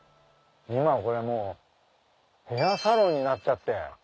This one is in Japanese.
今これもうヘアサロンになっちゃって。